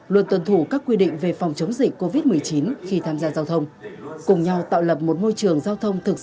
luôn tuân thủ các quy định về phòng chống dịch covid một mươi chín khi tham gia giao thông